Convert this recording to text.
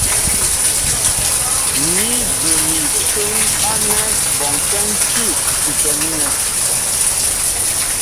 Ní bə mi téŋ ánɛ́ bɔnkɛ́ ń cʉ̂ ŋ̀kʉtɛ mínɛ.